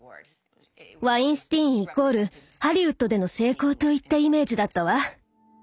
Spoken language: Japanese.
ワインスティーンイコールハリウッドでの成功といったイメージだったわ。